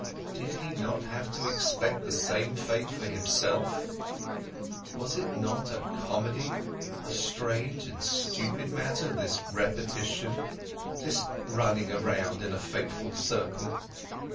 Did he not have to expect the same fate for himself? Was it not a comedy, a strange and stupid matter, this repetition, this running around in a fateful circle?